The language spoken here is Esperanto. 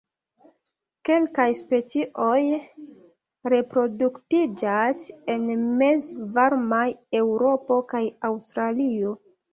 Kelkaj specioj reproduktiĝas en mezvarmaj Eŭropo kaj Aŭstralio.